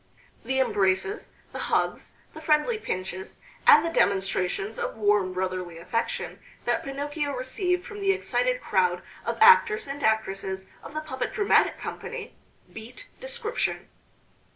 The embraces, the hugs, the friendly pinches, and the demonstrations of warm brotherly affection that Pinocchio received from the excited crowd of actors and actresses of the puppet dramatic company beat description.